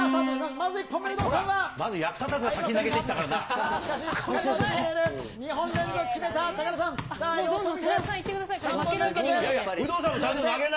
まず役立たずが先に投げていったからな。